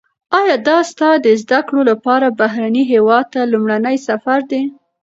ایا دا ستا د زده کړو لپاره بهرني هیواد ته لومړنی سفر دی؟